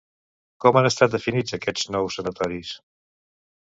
Com han estat definits aquests nous sanatoris?